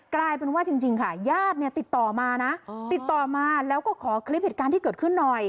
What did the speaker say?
กลายเป็นว่าจริงค่ะญาติเนี่ยติดต่อมานะติดต่อมาแล้วก็ขอคลิปเหตุการณ์ที่เกิดขึ้นหน่อย